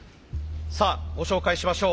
さあご紹介しましょう。